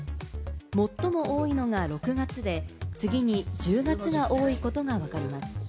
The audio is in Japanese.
最も多いのが６月で、次に１０月が多いことがわかります。